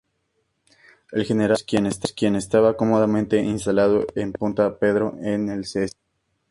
El general Mathews, quien estaba cómodamente instalado en Punta Pedro en el St.